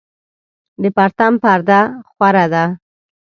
د پرتم پرده خوره ده